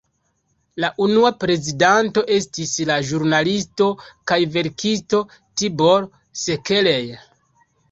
La unua prezidanto estis la ĵurnalisto kaj verkisto Tibor Sekelj.